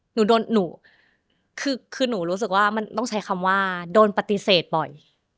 หนูรู้สึกว่ามันต้องใช้คำว่าโดนปฏิเสธบ่อย